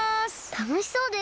たのしそうです。